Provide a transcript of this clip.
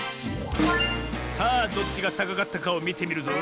さあどっちがたかかったかをみてみるぞ。